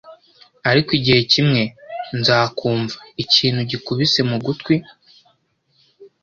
ariko igihe kimwe nza kumva ikintu gikubise mu gutwi